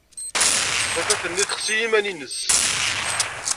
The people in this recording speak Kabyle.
Tafat-nni texsi i yiman-nnes.